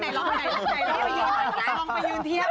ลองไปยืนเทียบ